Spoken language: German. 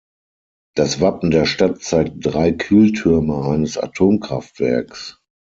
Das Wappen der Stadt zeigt drei Kühltürme eines Atomkraftwerks.